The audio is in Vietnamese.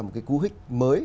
một cú hích mới